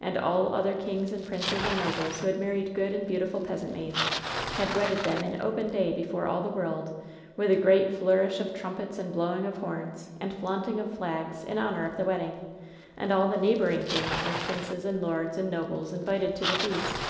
and all other kings and princes and nobles who had married good and beautiful peasant maids, had wedded them in open day before all the world, with a great flourish of trumpets and blowing of horns, and flaunting of flags, in honor of the wedding, and all the neighboring kings, and princes, and lords, and nobles invited to the feast.